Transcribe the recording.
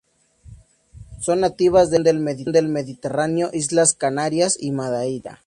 Son nativas de la región del Mediterráneo, Islas Canarias y Madeira.